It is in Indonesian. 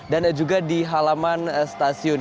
dan juga di halaman stasiun